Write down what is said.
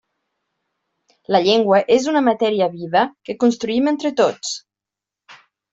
La llengua és una matèria viva que construïm entre tots.